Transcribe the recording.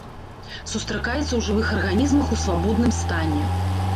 Сустракаецца ў жывых арганізмах у свабодным стане.